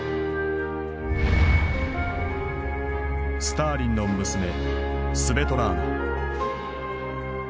スターリンの娘スヴェトラーナ。